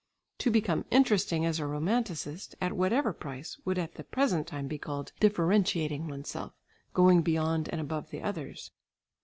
To become interesting as a romanticist at whatever price would at the present time be called "differentiating oneself, going beyond and above the others."